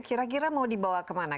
kira kira mau dibawa ke mana